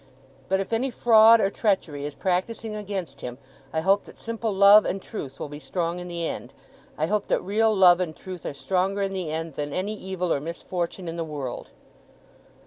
But if any fraud or treachery is practising against him, I hope that simple love and truth will be strong in the end. I hope that real love and truth are stronger in the end than any evil or misfortune in the world.